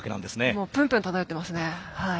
もうぷんぷん漂ってますねはい。